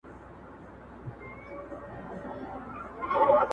ددې ډياسپورا حللاري به يوازي